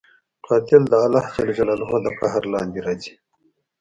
قاتل د الله د قهر لاندې راځي